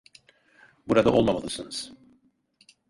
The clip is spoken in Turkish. Burada olmamalısınız.